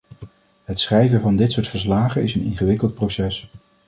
Het schrijven van dit soort verslagen is een ingewikkeld proces.